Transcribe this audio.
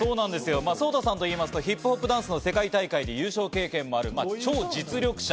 ソウタさんといいますとヒップホップダンスの世界大会で優勝経験もある超実力者。